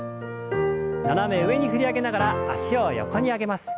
斜め上に振り上げながら脚を横に上げます。